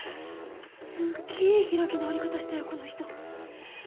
すっげえ開き直り方したよこの人。